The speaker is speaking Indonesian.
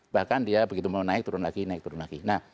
bahkan dia begitu mau naik turun lagi naik turun lagi